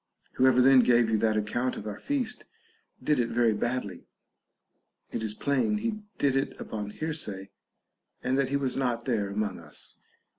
Whoever then gave you that account of our feast did it very badly ; it is plain he did it upon hearsay, and that he was not there among us.